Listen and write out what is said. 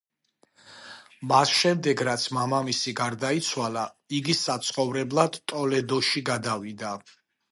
მას შემდეგ რაც მამამისი გარდაიცვალა, იგი საცხოვრებლად ტოლედოში გადავიდა.